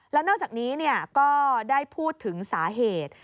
แล้วนอกจากนี้ก็ได้พูดถึงสาเหตุ